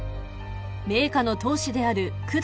名家の当主である久堂